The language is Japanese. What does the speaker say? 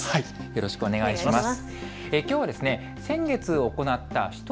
よろしくお願いします。